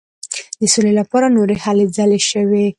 د سولي لپاره نورې هلې ځلې شوې.